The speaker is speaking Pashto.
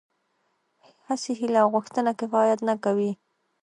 هسې هيله او غوښتنه کفايت نه کوي.